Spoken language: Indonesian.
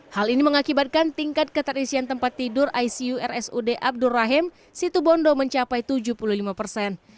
hal ini mengakibatkan tingkat keterisian tempat tidur icu rsud abdur rahim situbondo mencapai tujuh puluh lima persen